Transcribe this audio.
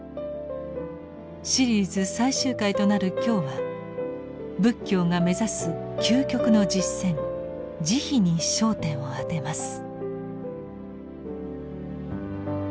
シリーズ最終回となる今日は仏教が目指す究極の実践「慈悲」に焦点を当てます。